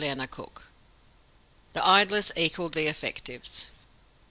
THE IDLERS EQUALED THE EFFECTIVES.